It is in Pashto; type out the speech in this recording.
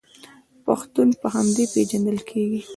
پښتون په همدې پیژندل کیږي.